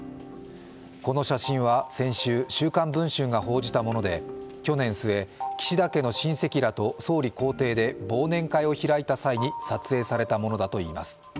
この写真は先週、「週刊文春」が報じたもので去年末、岸田家の親戚らと総理公邸で忘年会を開いた際に、撮影されたものだといいます。